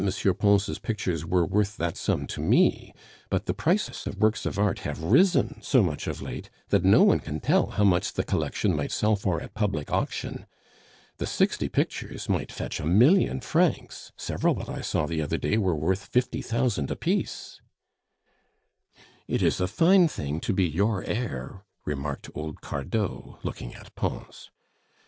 Pons' pictures were worth that sum to me; but the prices of works of art have risen so much of late, that no one can tell how much the collection might sell for at public auction. The sixty pictures might fetch a million francs; several that I saw the other day were worth fifty thousand apiece." "It is a fine thing to be your heir!" remarked old Cardot, looking at Pons.